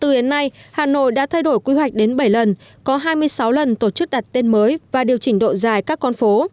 từ năm một nghìn chín trăm năm mươi bốn đến nay hà nội đã thay đổi quy hoạch đến bảy lần có hai mươi sáu lần tổ chức đặt tên mới và điều chỉnh độ dài các con phố